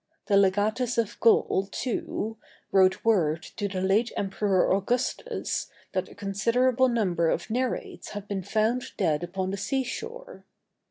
The legatus of Gaul, too, wrote word to the late Emperor Augustus that a considerable number of nereids had been found dead upon the sea shore.